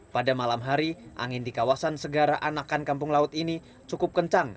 pada malam hari angin di kawasan segara anakan kampung laut ini cukup kencang